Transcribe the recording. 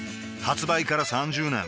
発売から３０年